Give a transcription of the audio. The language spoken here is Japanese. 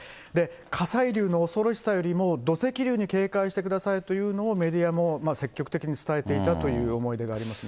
火砕流の恐ろしさよりも、土石流に警戒してくださいというのを、メディアも積極的に伝えていたという思い出がありますね。